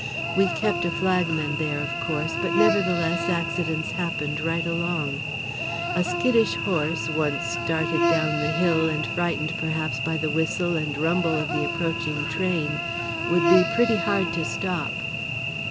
We kept a flagman there, of course, but nevertheless accidents happened right along. A skittish horse, once started down the hill and frightened perhaps by the whistle and rumble of the approaching train, would be pretty hard to stop."